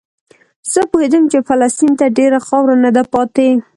زه پوهېدم چې فلسطین ته ډېره خاوره نه ده پاتې.